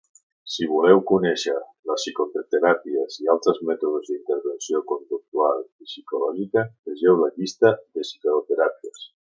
Si voleu conèixer les psicoteràpies i altres mètodes d'intervenció conductual i psicològica, vegeu la llista de psicoteràpies.